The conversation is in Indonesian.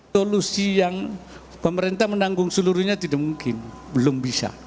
solusi yang pemerintah menanggung seluruhnya tidak mungkin belum bisa